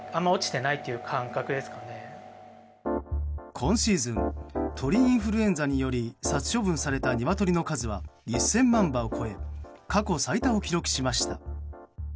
今シーズン鳥インフルエンザにより殺処分されたニワトリの数は１０００万羽を超え過去最多を記録しました。